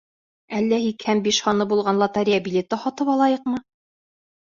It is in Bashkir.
— Әллә һикһән биш һаны булған лотерея билеты һатып алайыҡмы?